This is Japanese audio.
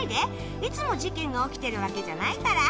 いつも事件が起きてるわけじゃないから。